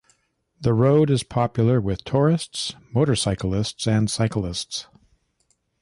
The road is popular with tourists, motorcyclists and cyclists.